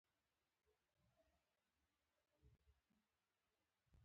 د وینا په لوري یې سترګې مه غړوه.